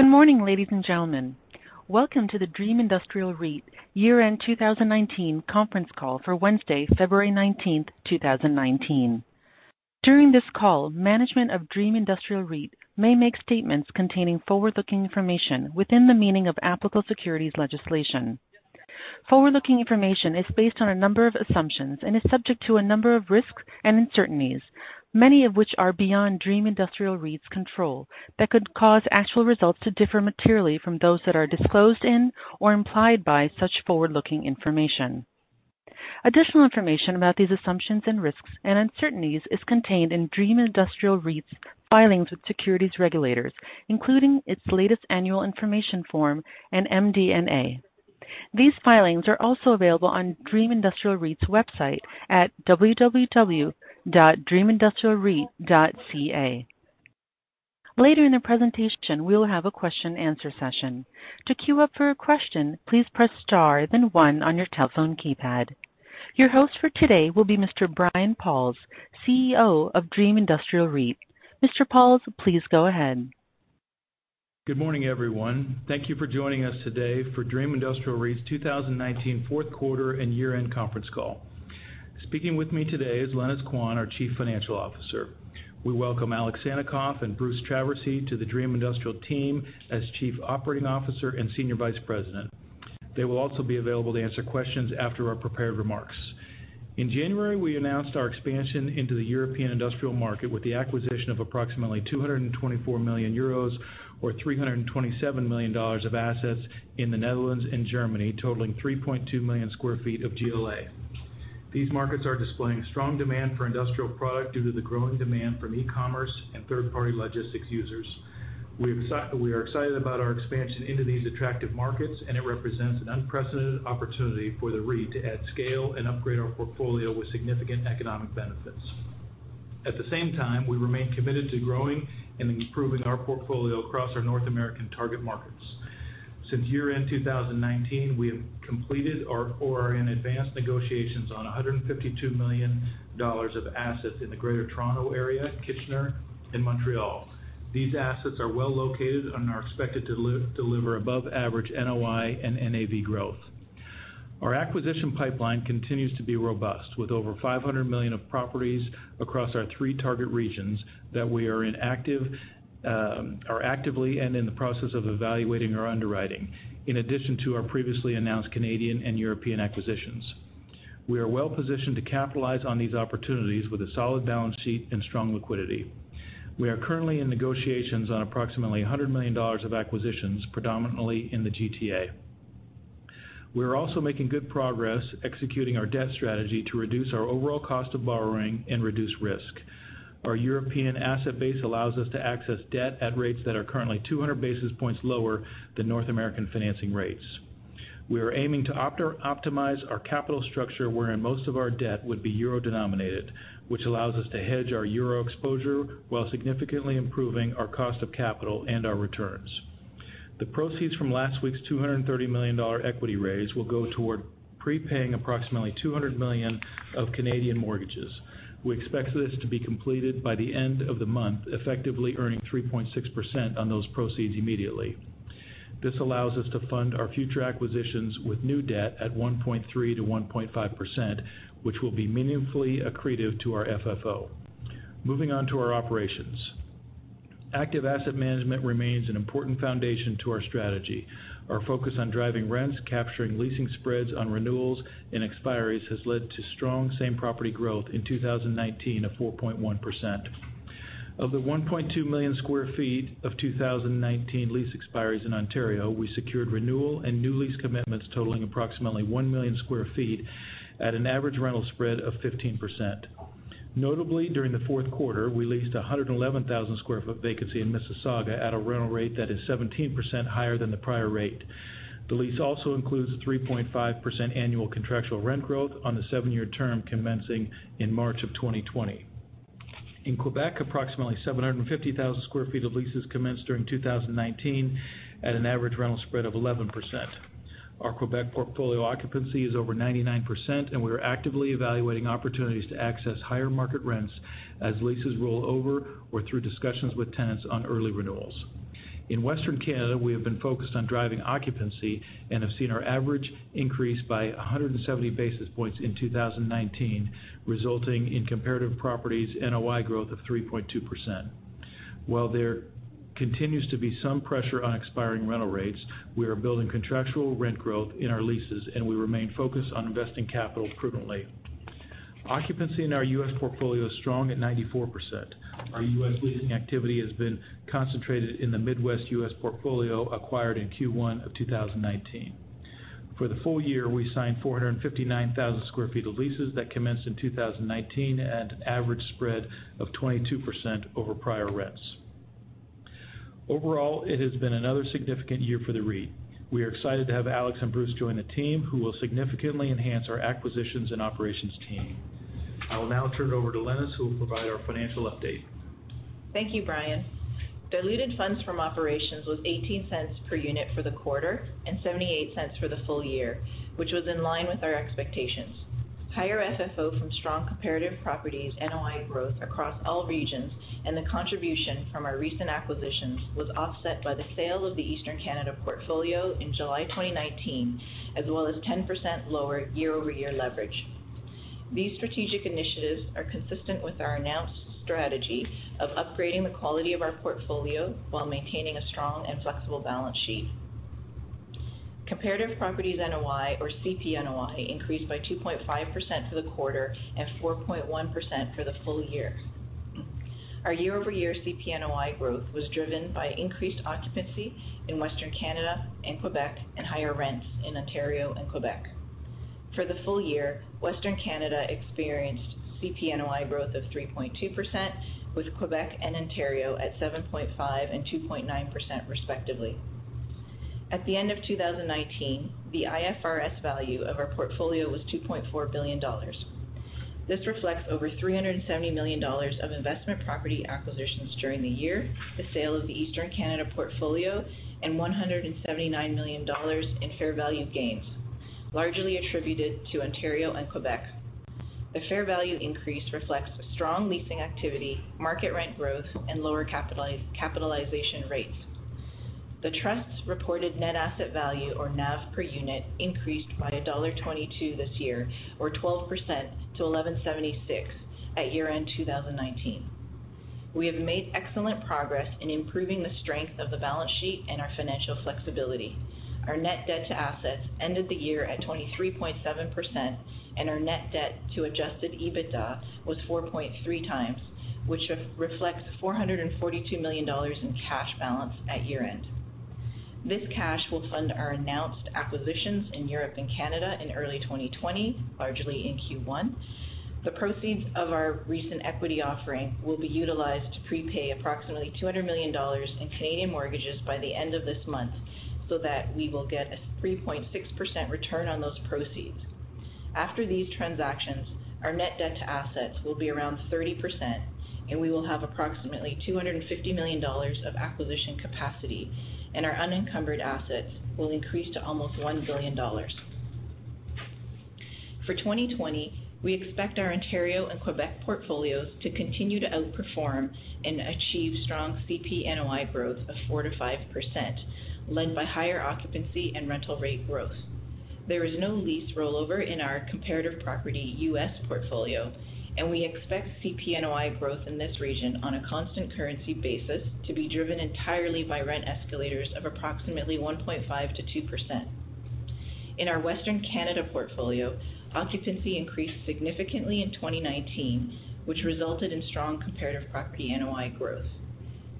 Good morning, ladies and gentlemen. Welcome to the Dream Industrial REIT year-end 2019 conference call for Wednesday, February 19th, 2019. During this call, management of Dream Industrial REIT may make statements containing forward-looking information within the meaning of applicable securities legislation. Forward-looking information is based on a number of assumptions and is subject to a number of risks and uncertainties, many of which are beyond Dream Industrial REIT's control, that could cause actual results to differ materially from those that are disclosed in or implied by such forward-looking information. Additional information about these assumptions and risks and uncertainties is contained in Dream Industrial REIT's filings with securities regulators, including its latest annual information form and MD&A. These filings are also available on Dream Industrial REIT's website at www.dreamindustrialreit.ca. Later in the presentation, we'll have a question-and-answer session. To queue up for a question, please press star then one on your telephone keypad. Your host for today will be Mr. Brian Pauls, CEO of Dream Industrial REIT. Mr. Pauls, please go ahead. Good morning, everyone. Thank you for joining us today for Dream Industrial REIT's 2019 fourth quarter and year-end conference call. Speaking with me today is Lenis Quan, our Chief Financial Officer. We welcome Alex Sannikov and Bruce Traversy to the Dream Industrial team as Chief Operating Officer and Senior Vice President. They will also be available to answer questions after our prepared remarks. In January, we announced our expansion into the European industrial market with the acquisition of approximately 224 million euros or 327 million dollars of assets in the Netherlands and Germany, totaling 3.2 million square feet of GLA. These markets are displaying strong demand for industrial product due to the growing demand from e-commerce and third-party logistics users. We are excited about our expansion into these attractive markets, and it represents an unprecedented opportunity for the REIT to add scale and upgrade our portfolio with significant economic benefits. At the same time, we remain committed to growing and improving our portfolio across our North American target markets. Since year-end 2019, we have completed or are in advanced negotiations on 152 million dollars of assets in the Greater Toronto Area, Kitchener, and Montreal. These assets are well-located and are expected to deliver above-average NOI and NAV growth. Our acquisition pipeline continues to be robust, with over 500 million of properties across our three target regions that we are actively and in the process of evaluating or underwriting, in addition to our previously announced Canadian and European acquisitions. We are well-positioned to capitalize on these opportunities with a solid balance sheet and strong liquidity. We are currently in negotiations on approximately 100 million dollars of acquisitions, predominantly in the GTA. We are also making good progress executing our debt strategy to reduce our overall cost of borrowing and reduce risk. Our European asset base allows us to access debt at rates that are currently 200 basis points lower than North American financing rates. We are aiming to optimize our capital structure wherein most of our debt would be euro-denominated, which allows us to hedge our euro exposure while significantly improving our cost of capital and our returns. The proceeds from last week's 230 million dollar equity raise will go toward prepaying approximately 200 million of Canadian mortgages. We expect this to be completed by the end of the month, effectively earning 3.6% on those proceeds immediately. This allows us to fund our future acquisitions with new debt at 1.3%-1.5%, which will be meaningfully accretive to our FFO. Moving on to our operations. Active asset management remains an important foundation to our strategy. Our focus on driving rents, capturing leasing spreads on renewals and expiries has led to strong same-property growth in 2019 of 4.1%. Of the 1.2 million square feet of 2019 lease expiries in Ontario, we secured renewal and new lease commitments totaling approximately 1 million square feet at an average rental spread of 15%. Notably, during the fourth quarter, we leased 111,000 sq ft vacancy in Mississauga at a rental rate that is 17% higher than the prior rate. The lease also includes 3.5% annual contractual rent growth on the seven-year term commencing in March of 2020. In Quebec, approximately 750,000 sq ft of leases commenced during 2019 at an average rental spread of 11%. Our Quebec portfolio occupancy is over 99%, and we are actively evaluating opportunities to access higher market rents as leases roll over or through discussions with tenants on early renewals. In Western Canada, we have been focused on driving occupancy and have seen our average increase by 170 basis points in 2019, resulting in comparative properties NOI growth of 3.2%. While there continues to be some pressure on expiring rental rates, we are building contractual rent growth in our leases, and we remain focused on investing capital prudently. Occupancy in our U.S. portfolio is strong at 94%. Our U.S. leasing activity has been concentrated in the Midwest U.S. portfolio acquired in Q1 of 2019. For the full year, we signed 459,000 sq ft of leases that commenced in 2019 at an average spread of 22% over prior rents. Overall, it has been another significant year for the REIT. We are excited to have Alex and Bruce join the team, who will significantly enhance our acquisitions and operations team. I will now turn it over to Lenis, who will provide our financial update. Thank you, Brian. Diluted funds from operations was 0.18 per unit for the quarter and 0.78 for the full year, which was in line with our expectations. Higher FFO from strong comparative properties NOI growth across all regions, and the contribution from our recent acquisitions was offset by the sale of the Eastern Canada portfolio in July 2019, as well as 10% lower year-over-year leverage. These strategic initiatives are consistent with our announced strategy of upgrading the quality of our portfolio while maintaining a strong and flexible balance sheet. Comparative properties NOI or CPNOI, increased by 2.5% for the quarter and 4.1% for the full year. Our year-over-year CPNOI growth was driven by increased occupancy in Western Canada and Quebec, and higher rents in Ontario and Quebec. For the full year, Western Canada experienced CPNOI growth of 3.2%, with Quebec and Ontario at 7.5% and 2.9% respectively. At the end of 2019, the IFRS value of our portfolio was 2.4 billion dollars. This reflects over 370 million dollars of investment property acquisitions during the year, the sale of the Eastern Canada portfolio, and 179 million dollars in fair value gains, largely attributed to Ontario and Quebec. The fair value increase reflects strong leasing activity, market rent growth, and lower capitalization rates. The trust's reported net asset value or NAV per unit increased by dollar 1.22 this year or 12% to 11.76 at year-end 2019. We have made excellent progress in improving the strength of the balance sheet and our financial flexibility. Our net debt to assets ended the year at 23.7% and our net debt to adjusted EBITDA was 4.3x, which reflects 442 million dollars in cash balance at year-end. This cash will fund our announced acquisitions in Europe and Canada in early 2020, largely in Q1. The proceeds of our recent equity offering will be utilized to prepay approximately 200 million dollars in Canadian mortgages by the end of this month, so that we will get a 3.6% return on those proceeds. After these transactions, our net debt to assets will be around 30% and we will have approximately 250 million dollars of acquisition capacity, and our unencumbered assets will increase to almost 1 billion dollars. For 2020, we expect our Ontario and Quebec portfolios to continue to outperform and achieve strong CPNOI growth of 4%-5%, led by higher occupancy and rental rate growth. There is no lease rollover in our comparative property U.S. portfolio, and we expect CPNOI growth in this region on a constant currency basis to be driven entirely by rent escalators of approximately 1.5%-2%. In our Western Canada portfolio, occupancy increased significantly in 2019, which resulted in strong comparative property NOI growth.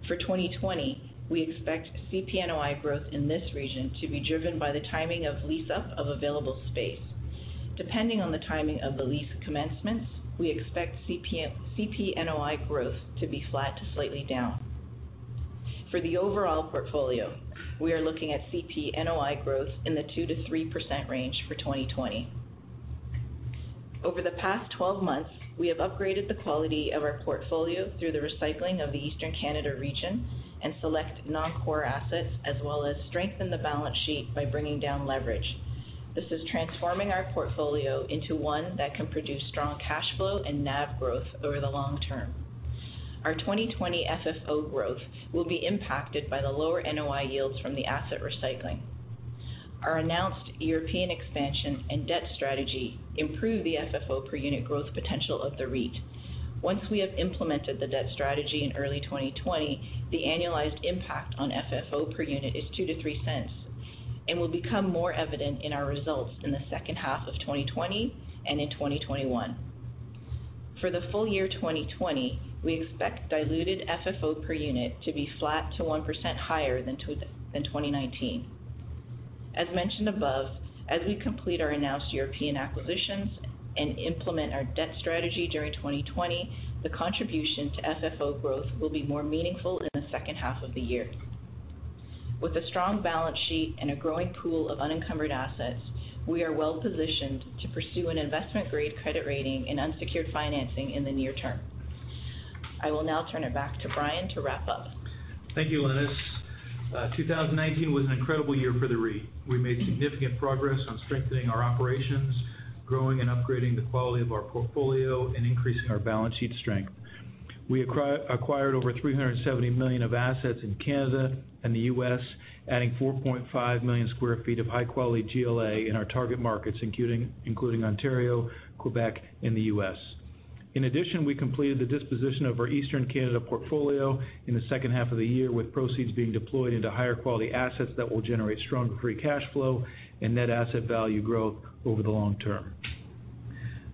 For 2020, we expect CPNOI growth in this region to be driven by the timing of lease-up of available space. Depending on the timing of the lease commencements, we expect CPNOI growth to be flat to slightly down. For the overall portfolio, we are looking at CPNOI growth in the 2%-3% range for 2020. Over the past 12 months, we have upgraded the quality of our portfolio through the recycling of the Eastern Canada region and select non-core assets, as well as strengthen the balance sheet by bringing down leverage. This is transforming our portfolio into one that can produce strong cash flow and NAV growth over the long term. Our 2020 FFO growth will be impacted by the lower NOI yields from the asset recycling. Our announced European expansion and debt strategy improve the FFO per unit growth potential of the REIT. Once we have implemented the debt strategy in early 2020, the annualized impact on FFO per unit is 0.02-0.03 and will become more evident in our results in the second half of 2020 and in 2021. For the full year 2020, we expect diluted FFO per unit to be flat to 1% higher than 2019. As mentioned above, as we complete our announced European acquisitions and implement our debt strategy during 2020, the contribution to FFO growth will be more meaningful in the second half of the year. With a strong balance sheet and a growing pool of unencumbered assets, we are well-positioned to pursue an investment-grade credit rating in unsecured financing in the near term. I will now turn it back to Brian to wrap up. Thank you, Lenis. 2019 was an incredible year for the REIT. We made significant progress on strengthening our operations, growing and upgrading the quality of our portfolio, and increasing our balance sheet strength. We acquired over 370 million of assets in Canada and the U.S., adding 4.5 million square feet of high-quality GLA in our target markets, including Ontario, Quebec, and the U.S. In addition, we completed the disposition of our Eastern Canada portfolio in the second half of the year, with proceeds being deployed into higher quality assets that will generate strong free cash flow and net asset value growth over the long term.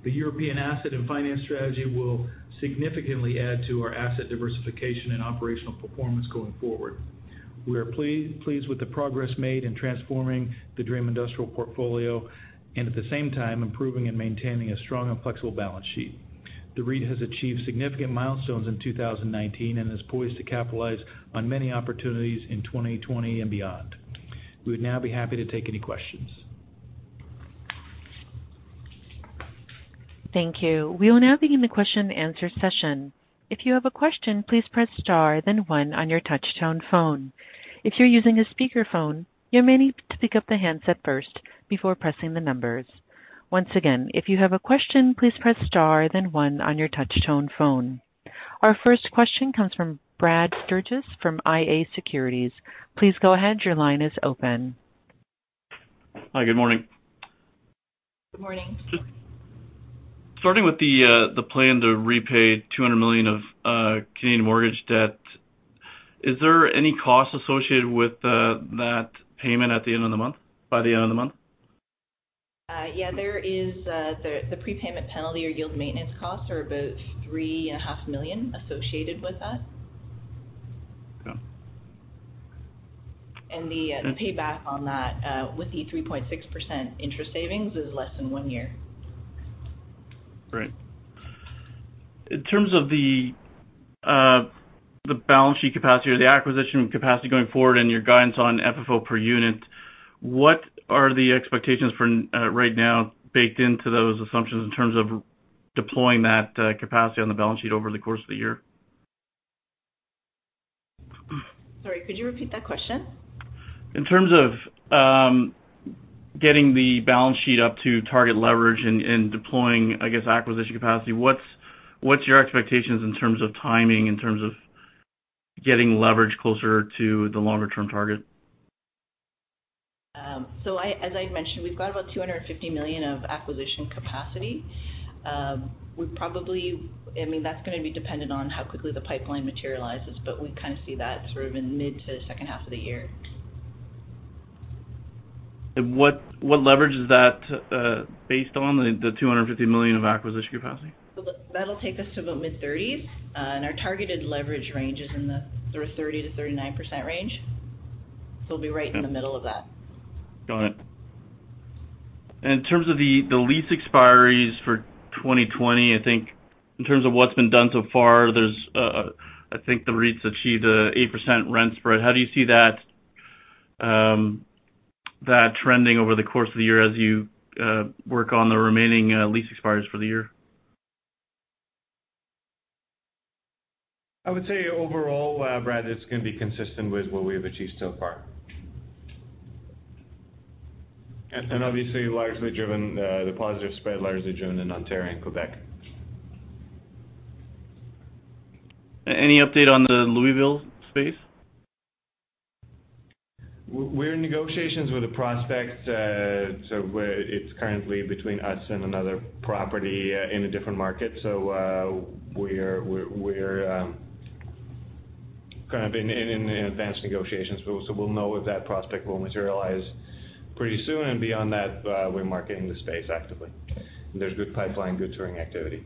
The European asset and finance strategy will significantly add to our asset diversification and operational performance going forward. We are pleased with the progress made in transforming the Dream Industrial portfolio and, at the same time, improving and maintaining a strong and flexible balance sheet. The REIT has achieved significant milestones in 2019 and is poised to capitalize on many opportunities in 2020 and beyond. We would now be happy to take any questions. Thank you. We will now begin the question-and-answer session. If you have a question, please press star then one on your touch-tone phone. If you're using a speakerphone, you may need to pick up the handset first before pressing the numbers. Once again, if you have a question, please press star then one on your touch-tone phone. Our first question comes from Brad Sturges from iA Securities. Please go ahead. Your line is open. Hi. Good morning. Good morning. Starting with the plan to repay 200 million of Canadian mortgage debt, is there any cost associated with that payment by the end of the month? Yeah, there is. The prepayment penalty or yield maintenance costs are about 3.5 million associated with that. Okay. The payback on that, with the 3.6% interest savings, is less than one year. Great. In terms of the balance sheet capacity or the acquisition capacity going forward and your guidance on FFO per unit, what are the expectations for right now baked into those assumptions in terms of deploying that capacity on the balance sheet over the course of the year? Sorry, could you repeat that question? In terms of getting the balance sheet up to target leverage and deploying, I guess, acquisition capacity, what's your expectations in terms of timing, in terms of getting leverage closer to the longer-term target? As I mentioned, we've got about 250 million of acquisition capacity. That's going to be dependent on how quickly the pipeline materializes, but we kind of see that sort of in mid to second half of the year. What leverage is that based on, the 250 million of acquisition capacity? That'll take us to about mid-30s. Our targeted leverage range is in the sort of 30%-39% range. We'll be right in the middle of that. Got it. In terms of the lease expiries for 2020, I think in terms of what's been done so far, I think the REIT's achieved a 8% rent spread. How do you see that trending over the course of the year as you work on the remaining lease expiries for the year? I would say overall, Brad, it's going to be consistent with what we have achieved so far. Obviously, the positive spread largely driven in Ontario and Quebec. Any update on the Louisville space? We're in negotiations with a prospect. It's currently between us and another property in a different market. We're kind of in advanced negotiations, so we'll know if that prospect will materialize pretty soon. Beyond that, we're marketing the space actively. There's good pipeline, good touring activity.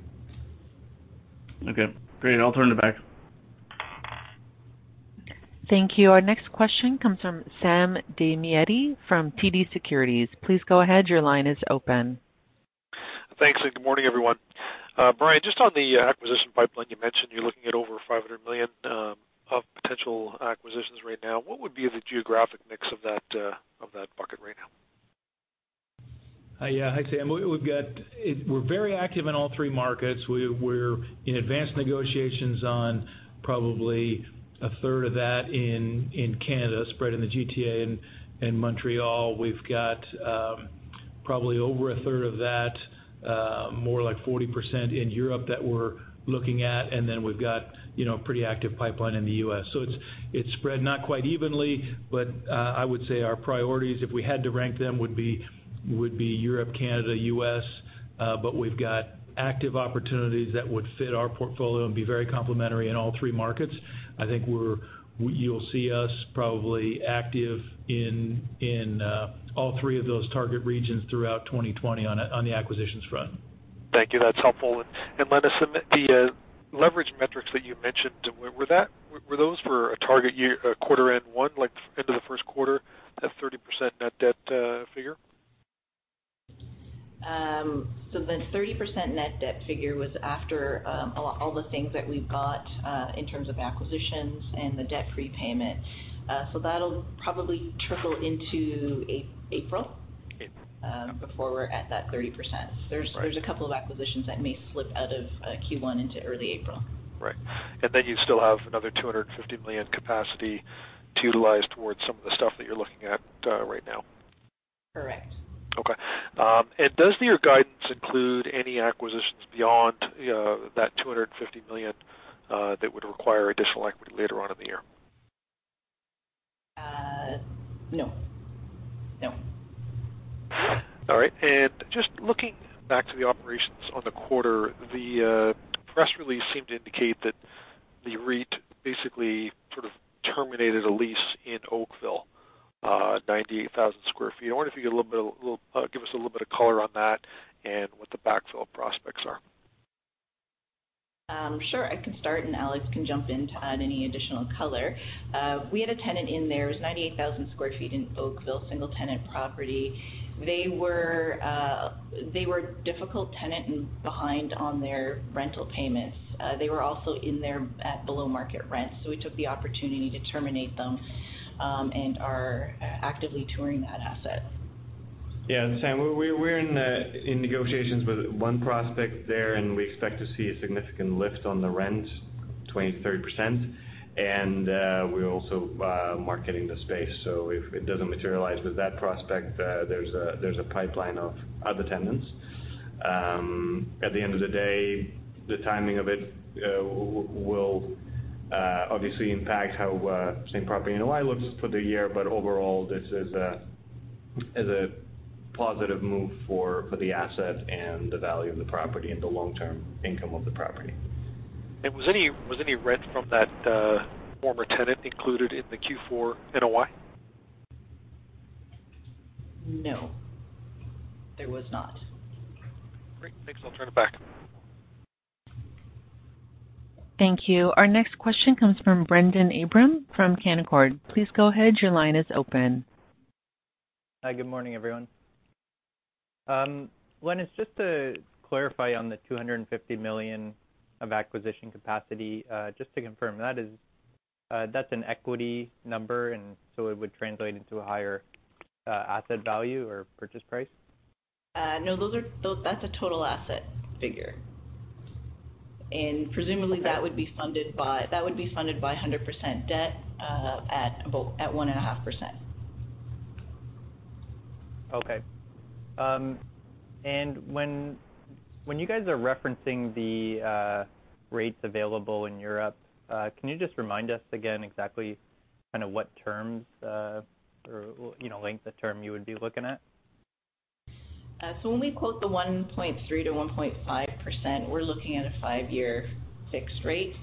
Okay, great. I'll turn it back. Thank you. Our next question comes from Sam Damiani from TD Securities. Please go ahead. Your line is open. Thanks, good morning, everyone. Brian, just on the acquisition pipeline, you mentioned you're looking at over 500 million of potential acquisitions right now. What would be the geographic mix of that bucket right now? Hi, Sam. We're very active in all three markets. We're in advanced negotiations on probably 1/3 of that in Canada, spread in the GTA and Montreal. We've got probably over 1/3 of that, more like 40%, in Europe that we're looking at. Then we've got a pretty active pipeline in the U.S. It's spread not quite evenly, but I would say our priorities, if we had to rank them, would be Europe, Canada, U.S. We've got active opportunities that would fit our portfolio and be very complementary in all three markets. I think you'll see us probably active in all three of those target regions throughout 2020 on the acquisitions front. Thank you. That's helpful. Lenis, the leverage metrics that you mentioned, were those for a target quarter end one, like end of the first quarter, that 30% net debt figure? The 30% net debt figure was after all the things that we've got in terms of acquisitions and the debt prepayment. That'll probably trickle into April. April Before we're at that 30%. Right. There's a couple of acquisitions that may slip out of Q1 into early April. Right. Then you still have another 250 million capacity to utilize towards some of the stuff that you're looking at right now. Correct. Okay. Does your guidance include any acquisitions beyond that 250 million that would require additional equity later on in the year? No. All right. Just looking back to the operations on the quarter, the press release seemed to indicate that the REIT basically sort of terminated a lease in Oakville, 98,000 sq ft. I wonder if you could give us a little bit of color on that and what the backfill prospects are? Sure. I can start, and Alex can jump in to add any additional color. We had a tenant in there. It was 98,000 sq ft in Oakville, single-tenant property. They were a difficult tenant and behind on their rental payments. They were also in there at below-market rent. We took the opportunity to terminate them and are actively touring that asset. Yeah, Sam, we're in negotiations with one prospect there. We expect to see a significant lift on the rent, 20%-30%, and we're also marketing the space. If it doesn't materialize with that prospect, there's a pipeline of other tenants. At the end of the day, the timing of it will obviously impact how same-property NOI looks for the year. Overall, this is a positive move for the asset and the value of the property and the long-term income of the property. Was any rent from that former tenant included in the Q4 NOI? No, there was not. Great. Thanks. I'll turn it back. Thank you. Our next question comes from Brendon Abrams from Canaccord. Please go ahead. Your line is open. Hi, good morning, everyone. Len, just to clarify on the 250 million of acquisition capacity. Just to confirm, that's an equity number, and so it would translate into a higher asset value or purchase price? No, that's a total asset figure. Okay that would be funded by 100% debt at 1.5%. Okay. When you guys are referencing the rates available in Europe, can you just remind us again exactly what terms, or length of term you would be looking at? When we quote the 1.3%-1.5%, we're looking at a five-year fixed rate.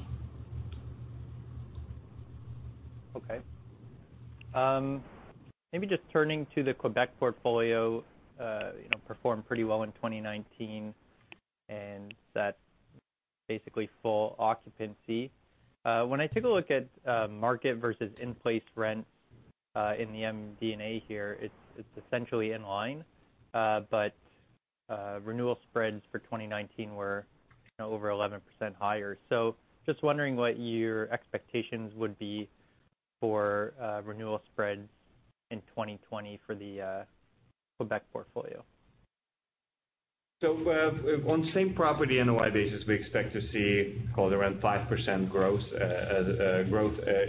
Maybe just turning to the Quebec portfolio, performed pretty well in 2019, and that's basically full occupancy. When I take a look at market versus in-place rent in the MD&A here, it's essentially in line. Renewal spreads for 2019 were over 11% higher. Just wondering what your expectations would be for renewal spreads in 2020 for the Quebec portfolio. On same-property NOI basis, we expect to see around 5% growth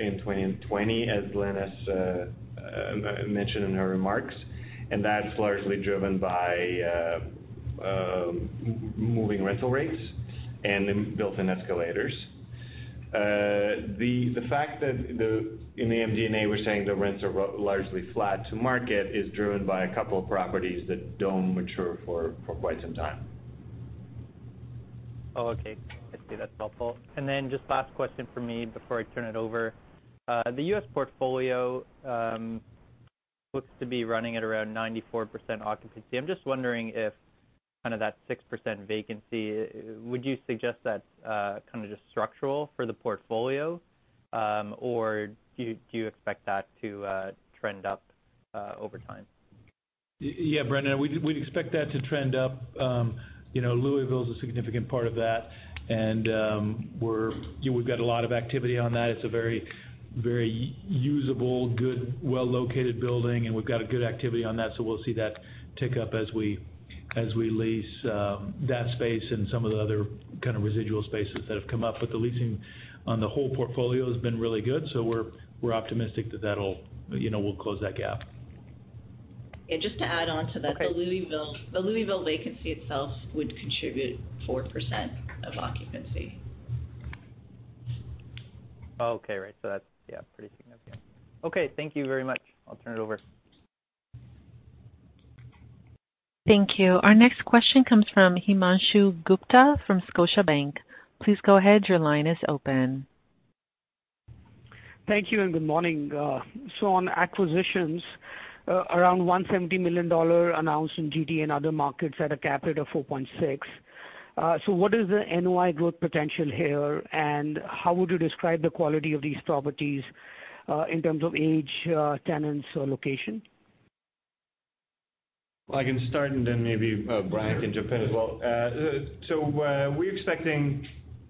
in 2020, as Lenis has mentioned in her remarks. That's largely driven by moving rental rates and built-in escalators. The fact that in the MD&A, we're saying the rents are largely flat to market, is driven by a couple of properties that don't mature for quite some time. Oh, okay. I see. That's helpful. Then just last question from me before I turn it over. The U.S. portfolio looks to be running at around 94% occupancy. I'm just wondering if that 6% vacancy, would you suggest that's just structural for the portfolio, or do you expect that to trend up over time? Yeah, Brendon, we'd expect that to trend up. Louisville's a significant part of that. We've got a lot of activity on that. It's a very usable, good, well-located building. We've got a good activity on that. We'll see that tick up as we lease that space and some of the other kind of residual spaces that have come up. The leasing on the whole portfolio has been really good. We're optimistic that we'll close that gap. Yeah, just to add on to that. Okay. The Louisville vacancy itself would contribute 4% of occupancy. Oh, okay. Right. That's pretty significant. Okay. Thank you very much. I'll turn it over. Thank you. Our next question comes from Himanshu Gupta from Scotiabank. Please go ahead. Your line is open. Thank you, and good morning. On acquisitions, around 170 million dollar announced in GTA and other markets at a cap rate of 4.6. What is the NOI growth potential here, and how would you describe the quality of these properties in terms of age, tenants, or location? I can start and then maybe Brian can jump in as well. We're expecting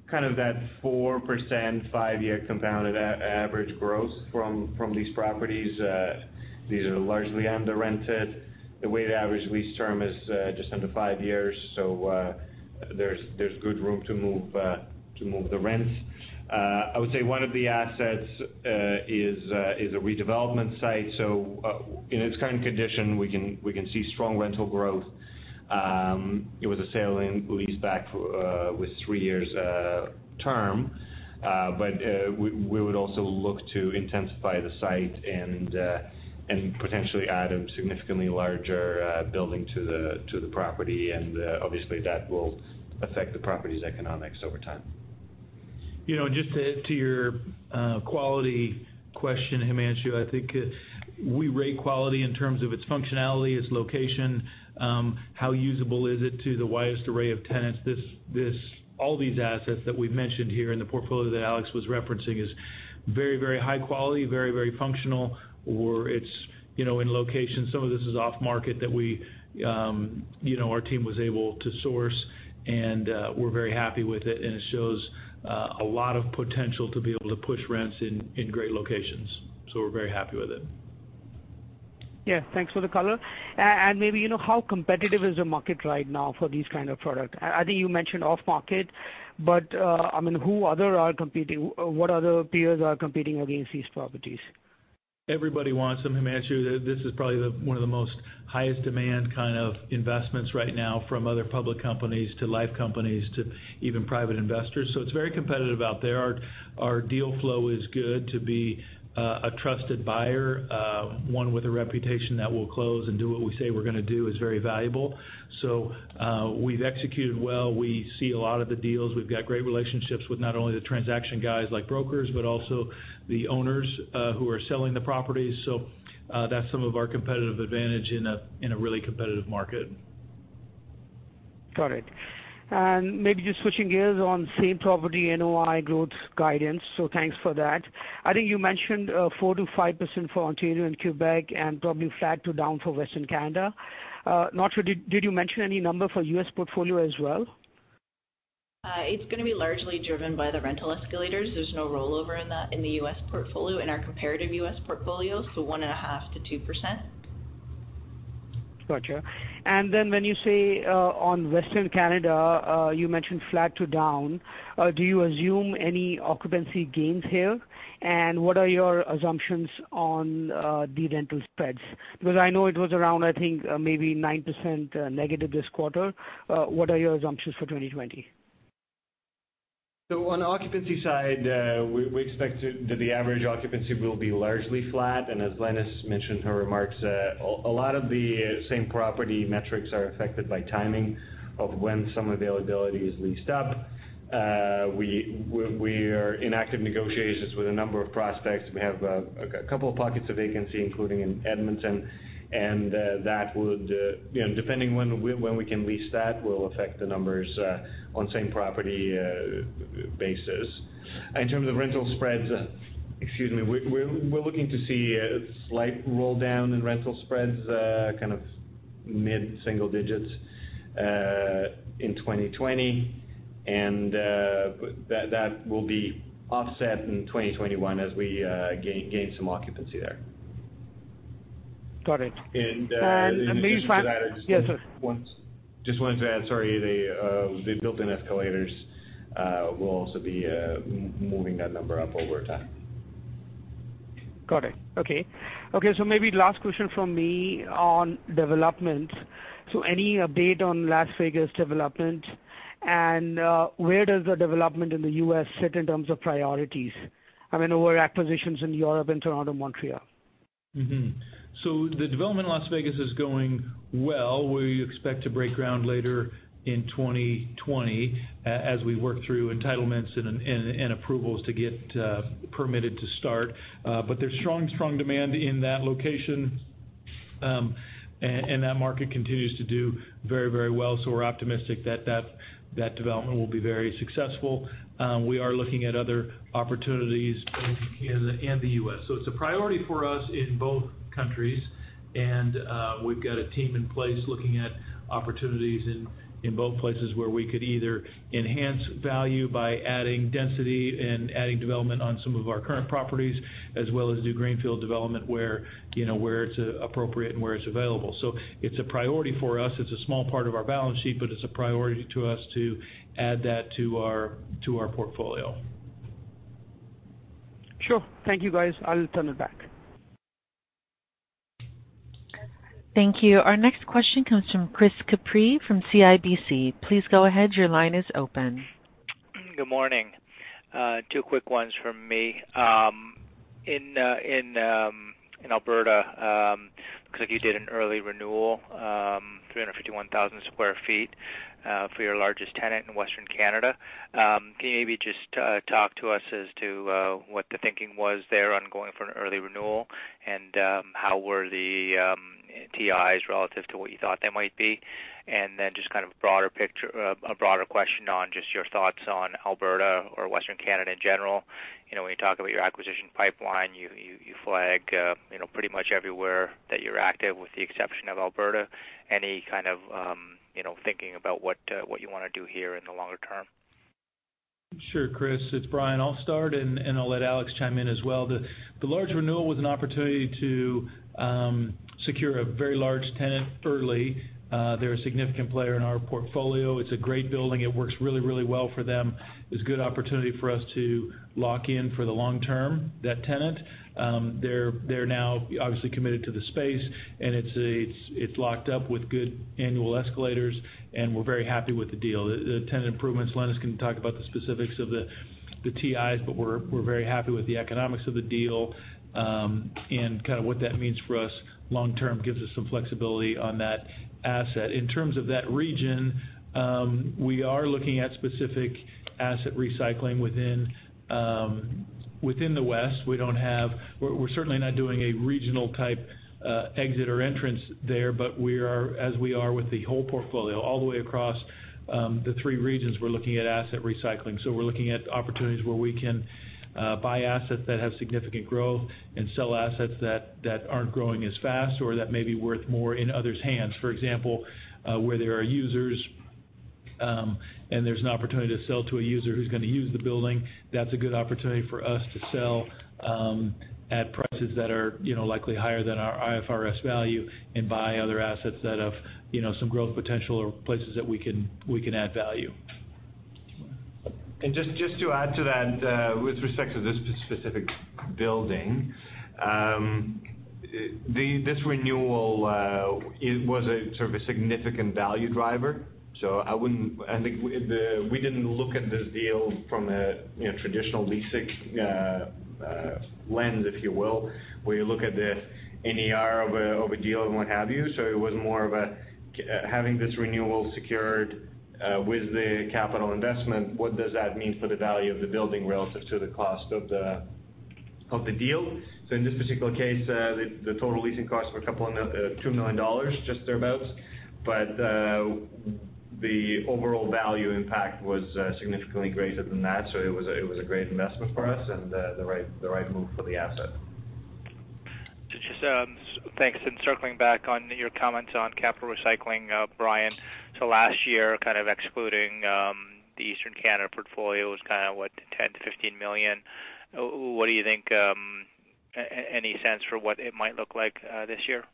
kind of that 4%, five-year compounded average growth from these properties. These are largely under-rented. The weighted average lease term is just under five years, so there's good room to move the rents. I would say one of the assets is a redevelopment site. In its current condition, we can see strong rental growth. It was a sale and lease back with three years term. We would also look to intensify the site and potentially add a significantly larger building to the property, and obviously, that will affect the property's economics over time. Just to add to your quality question, Himanshu, I think we rate quality in terms of its functionality, its location, how usable is it to the widest array of tenants. All these assets that we've mentioned here in the portfolio that Alex was referencing is very high quality, very functional, or it's in location. Some of this is off-market that our team was able to source, and we're very happy with it, and it shows a lot of potential to be able to push rents in great locations. We're very happy with it. Yeah. Thanks for the color. Maybe, how competitive is the market right now for these kind of product? I think you mentioned off-market, who other are competing? What other peers are competing against these properties? Everybody wants them, Himanshu. This is probably one of the most highest demand kind of investments right now from other public companies, to life companies, to even private investors. It's very competitive out there. Our deal flow is good to be a trusted buyer. One with a reputation that will close and do what we say we're going to do is very valuable. We've executed well. We see a lot of the deals. We've got great relationships with not only the transaction guys like brokers, but also the owners who are selling the properties. That's some of our competitive advantage in a really competitive market. Got it. Maybe just switching gears on same property NOI growth guidance, so thanks for that. I think you mentioned 4%-5% for Ontario and Quebec, and probably flat to down for Western Canada. Not sure, did you mention any number for U.S. portfolio as well? It's going to be largely driven by the rental escalators. There's no rollover in the U.S. portfolio, in our comparative U.S. portfolio, so 1.5%-2%. Got you. When you say on Western Canada, you mentioned flat to down, do you assume any occupancy gains here? What are your assumptions on the rental spreads? Because I know it was around, I think, maybe 9% negative this quarter. What are your assumptions for 2020? On the occupancy side, we expect that the average occupancy will be largely flat. As Lenis mentioned in her remarks, a lot of the same property metrics are affected by timing of when some availability is leased up. We are in active negotiations with a number of prospects. We have a couple of pockets of vacancy, including in Edmonton, and depending when we can lease that, will affect the numbers on same property basis. In terms of rental spreads, excuse me, we're looking to see a slight roll-down in rental spreads, kind of mid-single digits in 2020. That will be offset in 2021 as we gain some occupancy there. Got it. And in addition to that- Yes, sir. Just wanted to add, sorry. The built-in escalators will also be moving that number up over time. Got it. Okay. Maybe last question from me on development. Any update on Las Vegas development, and where does the development in the U.S. sit in terms of priorities? I mean, there were acquisitions in Europe, and Toronto, Montreal. The development in Las Vegas is going well. We expect to break ground later in 2020, as we work through entitlements and approvals to get permitted to start. There's strong demand in that location, and that market continues to do very well. We're optimistic that development will be very successful. We are looking at other opportunities both in Canada and the U.S. It's a priority for us in both countries, and we've got a team in place looking at opportunities in both places where we could either enhance value by adding density and adding development on some of our current properties, as well as do greenfield development where it's appropriate and where it's available. It's a priority for us. It's a small part of our balance sheet, but it's a priority to us to add that to our portfolio. Sure. Thank you, guys. I'll turn it back. Thank you. Our next question comes from Chris Couprie from CIBC. Please go ahead. Your line is open. Good morning. Two quick ones from me. In Alberta, looks like you did an early renewal, 351,000 sq ft for your largest tenant in Western Canada. Can you maybe just talk to us as to what the thinking was there on going for an early renewal, and how were the TIs relative to what you thought they might be? Then just kind of a broader question on just your thoughts on Alberta or Western Canada in general. When you talk about your acquisition pipeline, you flag pretty much everywhere that you're active with the exception of Alberta. Any kind of thinking about what you want to do here in the longer term? Sure, Chris. It's Brian. I'll start, and I'll let Alex chime in as well. The large renewal was an opportunity to secure a very large tenant early. They're a significant player in our portfolio. It's a great building. It works really well for them. It's a good opportunity for us to lock in for the long term, that tenant. They're now obviously committed to the space, and it's locked up with good annual escalators, and we're very happy with the deal. The tenant improvements, Lenis can talk about the specifics of the TIs, but we're very happy with the economics of the deal. Kind of what that means for us long term, gives us some flexibility on that asset. In terms of that region, we are looking at specific asset recycling within the West. We're certainly not doing a regional type exit or entrance there. As we are with the whole portfolio all the way across the three regions, we're looking at asset recycling. We're looking at opportunities where we can buy assets that have significant growth and sell assets that aren't growing as fast or that may be worth more in others' hands. For example, where there are users and there's an opportunity to sell to a user who's going to use the building. That's a good opportunity for us to sell at prices that are likely higher than our IFRS value and buy other assets that have some growth potential or places that we can add value. Just to add to that, with respect to this specific building. This renewal, it was sort of a significant value driver. I think we didn't look at this deal from a traditional leasing lens, if you will, where you look at the NAR of a deal and what have you. It was more of having this renewal secured with the capital investment, what does that mean for the value of the building relative to the cost of the deal? In this particular case, the total leasing costs were 2 million dollars, just thereabouts. The overall value impact was significantly greater than that. It was a great investment for us and the right move for the asset. Thanks. Circling back on your comments on capital recycling, Brian. Last year, kind of excluding the Eastern Canada portfolio was kind of what, 10 million-15 million? What do you think, any sense for what it might look like this year?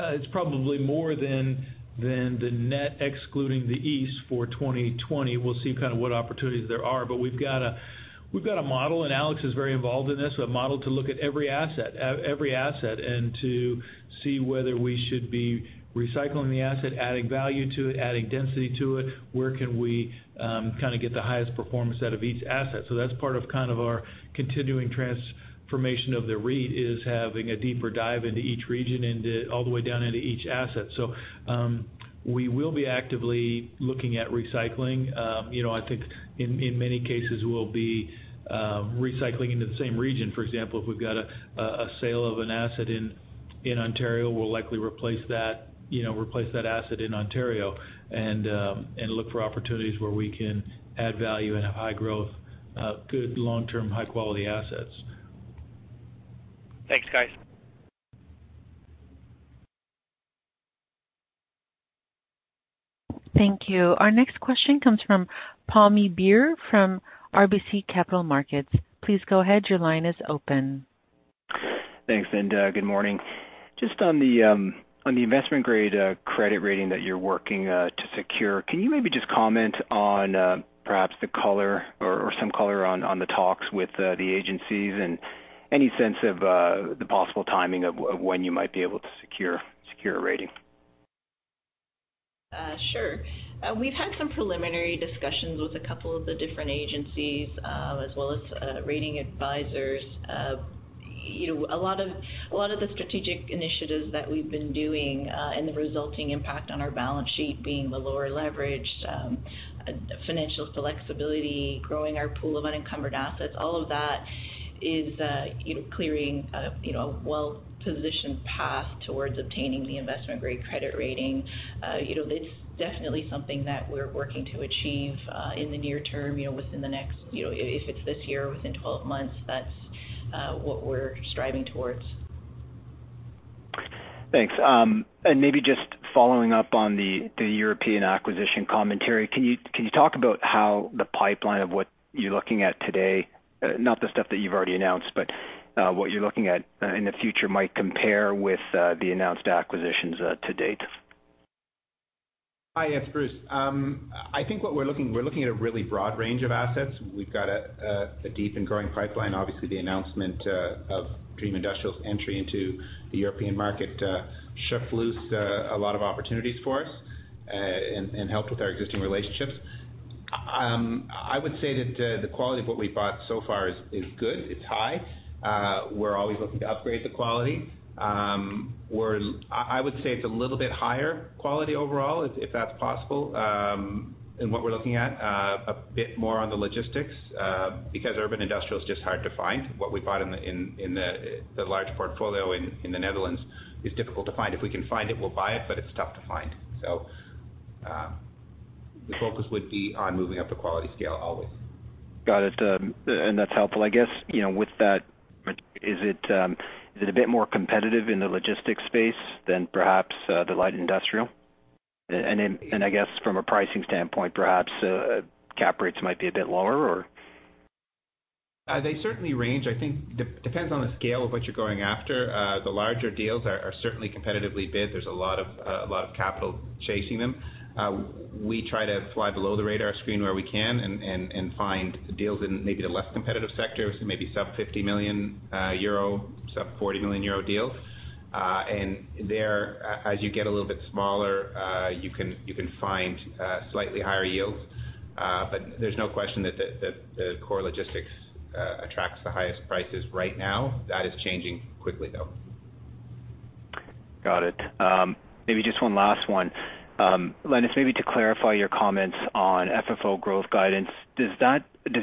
It's probably more than the net excluding the East for 2020. We'll see kind of what opportunities there are. We've got a model, and Alex is very involved in this, a model to look at every asset. To see whether we should be recycling the asset, adding value to it, adding density to it, where can we kind of get the highest performance out of each asset. That's part of our continuing transformation of the REIT is having a deeper dive into each region and all the way down into each asset. We will be actively looking at recycling. I think in many cases, we'll be recycling into the same region. For example, if we've got a sale of an asset in Ontario, we'll likely replace that asset in Ontario and look for opportunities where we can add value and have high growth, good long-term, high-quality assets. Thanks, guys. Thank you. Our next question comes from Pammi Bir from RBC Capital Markets. Please go ahead, your line is open. Thanks. Good morning. Just on the investment-grade credit rating that you're working to secure, can you maybe just comment on perhaps some color on the talks with the agencies and any sense of the possible timing of when you might be able to secure a rating? Sure. We've had some preliminary discussions with a couple of the different agencies, as well as rating advisors. A lot of the strategic initiatives that we've been doing, and the resulting impact on our balance sheet being the lower leverage, financial flexibility, growing our pool of unencumbered assets, all of that is clearing a well-positioned path towards obtaining the investment-grade credit rating. It's definitely something that we're working to achieve in the near term within the next, if it's this year, within 12 months. That's what we're striving towards. Thanks. Maybe just following up on the European acquisition commentary, can you talk about how the pipeline of what you're looking at today, not the stuff that you've already announced, but what you're looking at in the future might compare with the announced acquisitions to date? Hi, it's Bruce. I think we're looking at a really broad range of assets. We've got a deep and growing pipeline. Obviously, the announcement of Dream Industrial's entry into the European market shook loose a lot of opportunities for us and helped with our existing relationships. I would say that the quality of what we've bought so far is good. It's high. We're always looking to upgrade the quality. I would say it's a little bit higher quality overall, if that's possible, in what we're looking at. A bit more on the logistics, because urban industrial is just hard to find. What we bought in the large portfolio in the Netherlands is difficult to find. If we can find it, we'll buy it, but it's tough to find. The focus would be on moving up the quality scale always. Got it. That's helpful, I guess. With that, is it a bit more competitive in the logistics space than perhaps the light industrial? Then, I guess from a pricing standpoint, perhaps cap rates might be a bit lower or? They certainly range. I think depends on the scale of what you're going after. The larger deals are certainly competitively bid. There's a lot of capital chasing them. We try to fly below the radar screen where we can and find deals in maybe the less competitive sectors, maybe sub-EUR 50 million, sub-EUR 40 million deals. There, as you get a little bit smaller, you can find slightly higher yields. There's no question that the core logistics attracts the highest prices right now. That is changing quickly, though. Got it. Maybe just one last one. Lenis, maybe to clarify your comments on FFO growth guidance. Does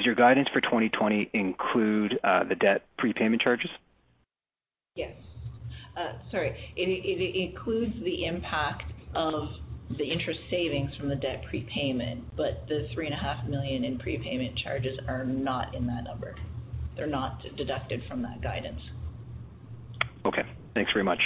your guidance for 2020 include the debt prepayment charges? Yes. Sorry. It includes the impact of the interest savings from the debt prepayment, the 3.5 million in prepayment charges are not in that number. They're not deducted from that guidance. Okay. Thanks very much.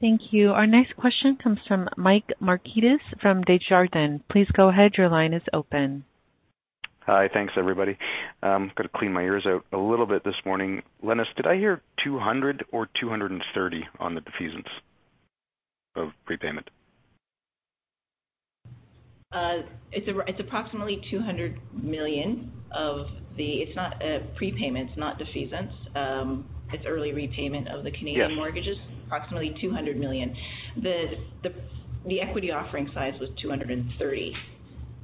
Thank you. Our next question comes from Mike Markidis from Desjardins. Please go ahead. Your line is open. Hi. Thanks, everybody. Got to clean my ears out a little bit this morning. Lenis, did I hear 200 or 230 on the defeasance of prepayment? It's approximately 200 million. It's not prepayment, it's not defeasance. It's early repayment of the Canadian mortgages. Yes. Approximately 200 million. The equity offering size was 230.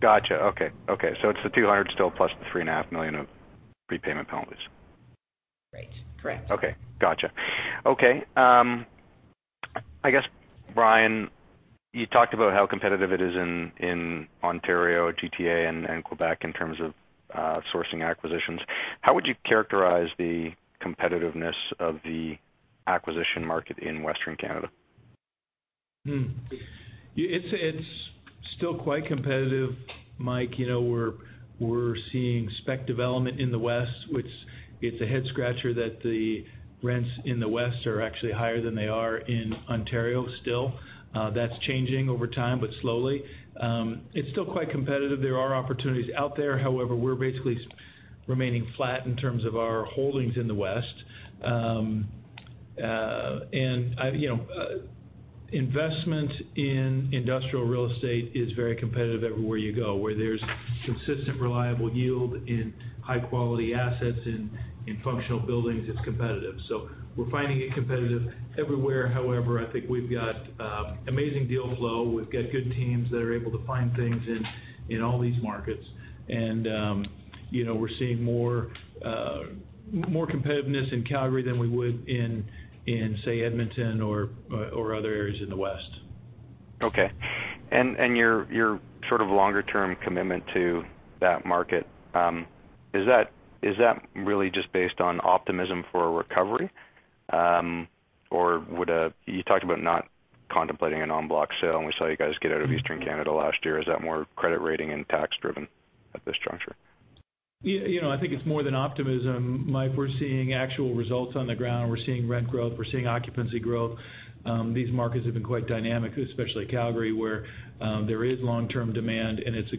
Got you. Okay. It's the 200 still, plus the 3.5 million of prepayment penalties. Right. Correct. Got you. I guess, Brian, you talked about how competitive it is in Ontario, GTA, and Quebec in terms of sourcing acquisitions. How would you characterize the competitiveness of the acquisition market in Western Canada? It's still quite competitive, Mike. We're seeing spec development in the West. It's a head-scratcher that the rents in the West are actually higher than they are in Ontario still. That's changing over time, but slowly. It's still quite competitive. There are opportunities out there. However, we're basically remaining flat in terms of our holdings in the West. Investment in industrial real estate is very competitive everywhere you go. Where there's consistent, reliable yield in high-quality assets, in functional buildings, it's competitive. We're finding it competitive everywhere. However, I think we've got amazing deal flow. We've got good teams that are able to find things in all these markets. We're seeing more competitiveness in Calgary than we would in, say, Edmonton or other areas in the West. Okay. Your longer-term commitment to that market, is that really just based on optimism for a recovery? You talked about not contemplating an en bloc sale, and we saw you guys get out of Eastern Canada last year. Is that more credit rating and tax driven at this juncture? I think it's more than optimism, Mike. We're seeing actual results on the ground. We're seeing rent growth. We're seeing occupancy growth. These markets have been quite dynamic, especially Calgary, where there is long-term demand, and it's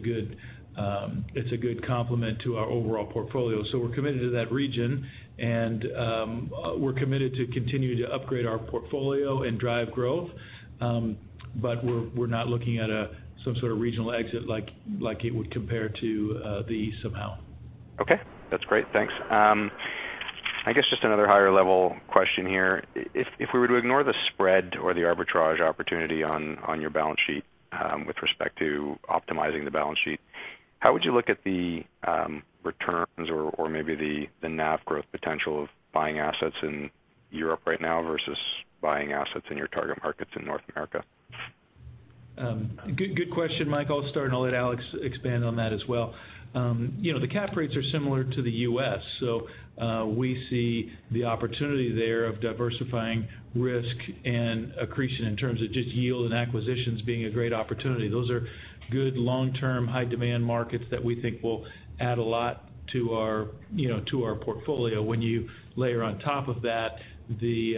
a good complement to our overall portfolio. We're committed to that region, and we're committed to continue to upgrade our portfolio and drive growth. We're not looking at some sort of regional exit like it would compare to Eastern Canada. Okay. That's great. Thanks. I guess just another higher-level question here. If we were to ignore the spread or the arbitrage opportunity on your balance sheet with respect to optimizing the balance sheet, how would you look at the returns or maybe the NAV growth potential of buying assets in Europe right now versus buying assets in your target markets in North America? Good question, Mike. I'll start, and I'll let Alex expand on that as well. The cap rates are similar to the U.S. We see the opportunity there of diversifying risk and accretion in terms of just yield and acquisitions being a great opportunity. Those are good long-term, high-demand markets that we think will add a lot to our portfolio. When you layer on top of that the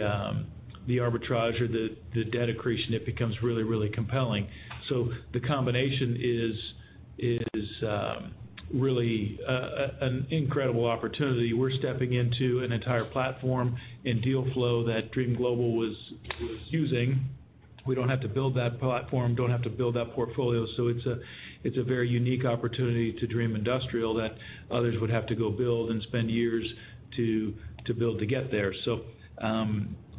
arbitrage or the debt accretion, it becomes really compelling. The combination is really an incredible opportunity. We're stepping into an entire platform and deal flow that Dream Global was using. We don't have to build that platform, don't have to build that portfolio. It's a very unique opportunity to Dream Industrial that others would have to go build and spend years to build to get there.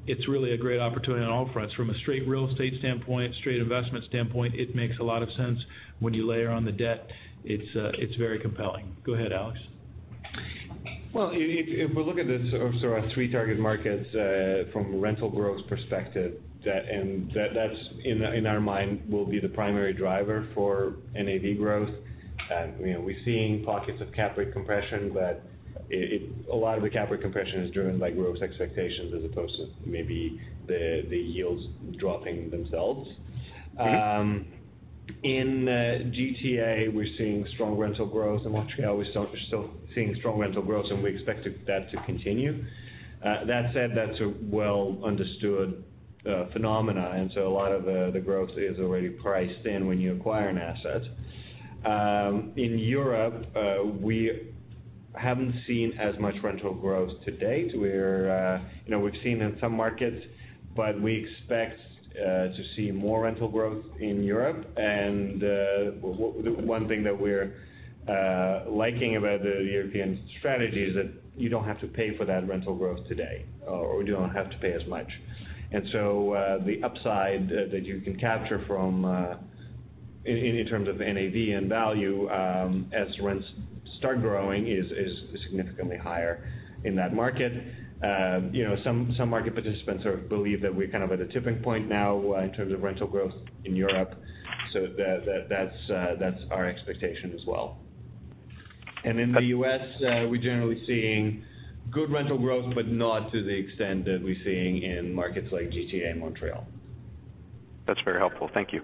It's really a great opportunity on all fronts. From a straight real estate standpoint, straight investment standpoint, it makes a lot of sense. When you layer on the debt, it's very compelling. Go ahead, Alex. Well, if we look at this, our three target markets from a rental growth perspective, that in our mind will be the primary driver for NAV growth. We're seeing pockets of cap rate compression, but a lot of the cap rate compression is driven by growth expectations as opposed to maybe the yields dropping themselves. In GTA, we're seeing strong rental growth. In Montreal, we're still seeing strong rental growth, and we expect that to continue. That said, that's a well-understood phenomena. A lot of the growth is already priced in when you acquire an asset. In Europe, we haven't seen as much rental growth to date. We've seen in some markets, but we expect to see more rental growth in Europe. The one thing that we're liking about the European strategy is that you don't have to pay for that rental growth today, or you don't have to pay as much. The upside that you can capture in terms of NAV and value as rents start growing is significantly higher in that market. Some market participants believe that we're at a tipping point now in terms of rental growth in Europe. That's our expectation as well. In the U.S., we're generally seeing good rental growth, but not to the extent that we're seeing in markets like GTA and Montreal. That's very helpful. Thank you.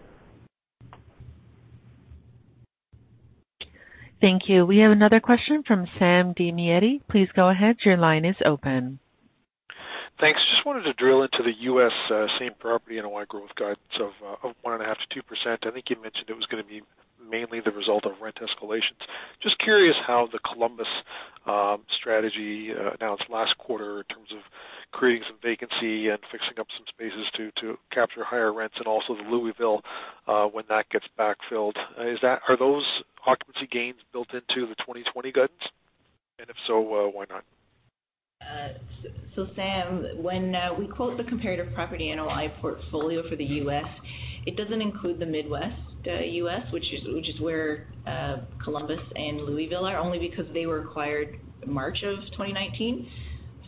Thank you. We have another question from Sam Damiani. Please go ahead. Your line is open. Thanks. Just wanted to drill into the U.S. same property NOI growth guidance of 1.5%-2%. I think you mentioned it was going to be mainly the result of rent escalations. Just curious how the Columbus strategy announced last quarter in terms of creating some vacancy and fixing up some spaces to capture higher rents, and also the Louisville, when that gets backfilled. Are those occupancy gains built into the 2020 guidance? If so, why not? Sam, when we quote the comparative property NOI portfolio for the U.S., it doesn't include the Midwest U.S., which is where Columbus and Louisville are, only because they were acquired March of 2019.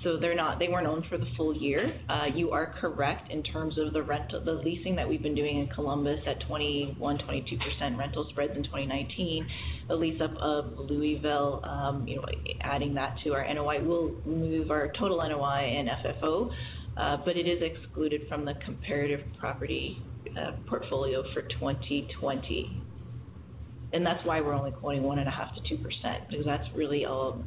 They weren't owned for the full year. You are correct in terms of the leasing that we've been doing in Columbus at 21, 22% rental spreads in 2019. The lease up of Louisville, adding that to our NOI will move our total NOI and FFO, but it is excluded from the comparative property portfolio for 2020. That's why we're only quoting 1.5%-2%, because that's really all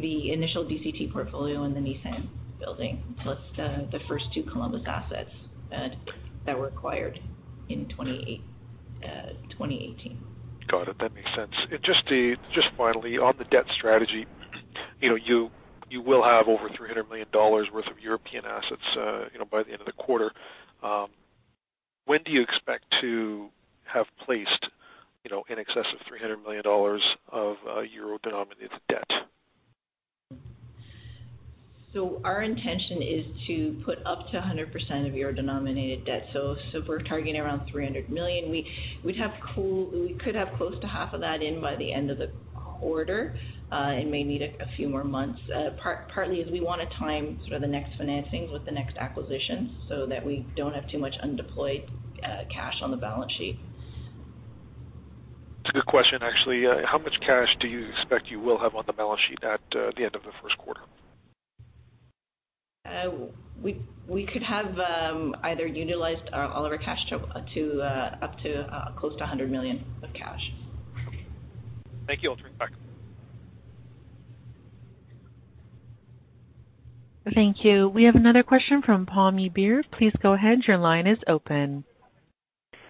the initial DCT portfolio in the Nissan building, plus the first two Columbus assets that were acquired in 2018. Got it. That makes sense. Finally, on the debt strategy, you will have over 300 million dollars worth of European assets by the end of the quarter. When do you expect to have placed in excess of 300 million dollars of euro-denominated debt? Our intention is to put up to 100% of euro-denominated debt. If we're targeting around 300 million, we could have close to half of that in by the end of the quarter. It may need a few more months, partly as we want to time sort of the next financings with the next acquisitions so that we don't have too much undeployed cash on the balance sheet. It's a good question, actually. How much cash do you expect you will have on the balance sheet at the end of the first quarter? We could have either utilized all of our cash to up to close to 100 million of cash. Okay. Thank you. I'll turn it back. Thank you. We have another question from Pammi Bir. Please go ahead. Your line is open.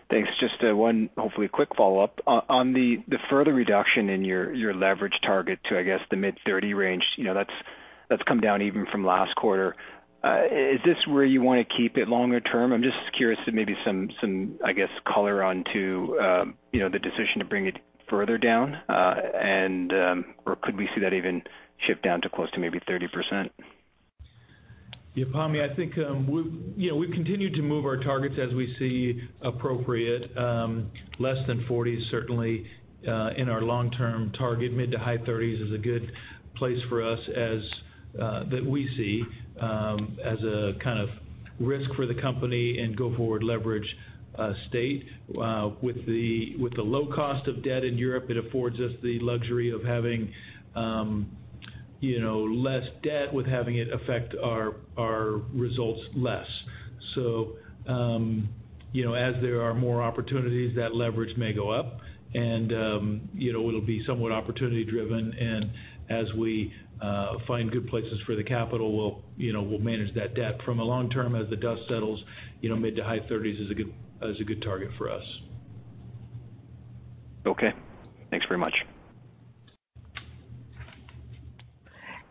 Thanks. Just one, hopefully quick follow-up on the further reduction in your leverage target to, I guess, the mid 30 range. That's come down even from last quarter. Is this where you want to keep it longer term? I'm just curious to maybe some color onto the decision to bring it further down, or could we see that even shift down to close to maybe 30%? Pammi, I think we've continued to move our targets as we see appropriate. Less than 40% is certainly in our long-term target. Mid to high 30s is a good place for us that we see as a kind of risk for the company and go forward leverage state. With the low cost of debt in Europe, it affords us the luxury of having less debt with having it affect our results less. As there are more opportunities, that leverage may go up and it'll be somewhat opportunity driven. As we find good places for the capital, we'll manage that debt. From a long term, as the dust settles, mid to high 30s is a good target for us. Okay. Thanks very much.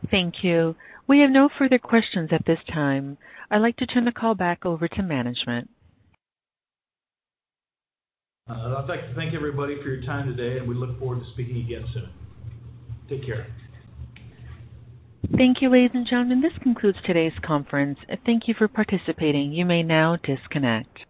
Thank you. We have no further questions at this time. I'd like to turn the call back over to management. I'd like to thank everybody for your time today. We look forward to speaking again soon. Take care. Thank you, ladies and gentlemen, this concludes today's conference, and thank you for participating. You may now disconnect.